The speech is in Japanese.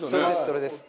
それです